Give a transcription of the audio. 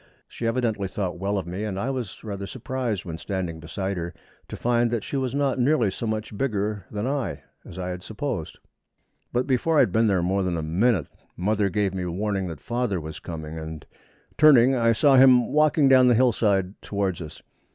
She evidently thought well of me, and I was rather surprised, when standing beside her, to find that she was not nearly so much bigger than I as I had supposed. [Illustration: AS I APPEARED THE YOUNG ONES RAN AND SNUGGLED UP TO HER.] But before I had been there more than a minute mother gave me warning that father was coming, and, turning, I saw him walking down the hillside towards us.